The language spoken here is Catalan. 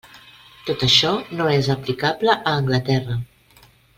Tot això no és aplicable a Anglaterra.